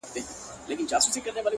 ستا سترگي دي!